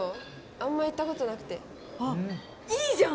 あんま行ったことなくてあっいいじゃん！